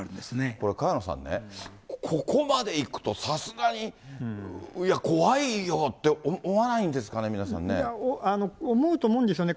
これ、萱野さんね、ここまでいくと、さすがに、怖いよって思わないんですかね、思うと思うんですよね。